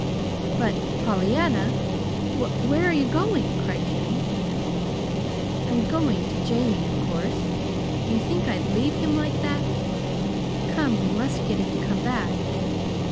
"But, Pollyanna, w where are you going?" cried Jimmy. "I'm going to Jamie, of course! Do you think I'd leave him like that? Come, we must get him to come back."